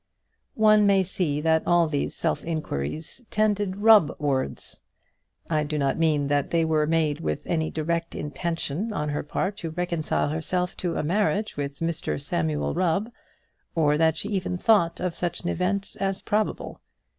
One may see that all these self inquiries tended Rubb wards. I do not mean that they were made with any direct intention on her part to reconcile herself to a marriage with Mr Samuel Rubb, or that she even thought of such an event as probable.